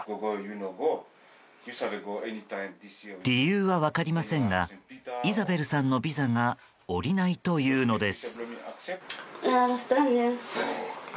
理由は分かりませんがイザベルさんのビザが下りないというのです。